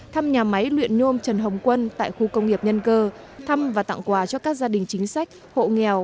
thăm nhà máy luyện nhôm trần hồng quân tại khu công nghiệp nhân cơ thăm và tặng quà cho các gia đình chính sách hộ nghèo